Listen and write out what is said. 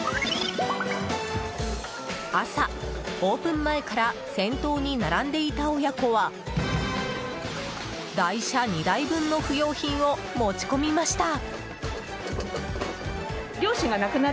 朝、オープン前から先頭に並んでいた親子は台車２台分の不用品を持ち込みました。